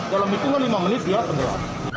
dalam hitungan lima menit dia tenggelam